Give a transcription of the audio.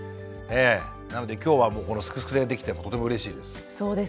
なので今日はもうこの「すくすく」でできてとてもうれしいです。